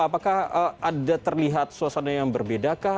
apakah ada terlihat suasana yang berbeda kah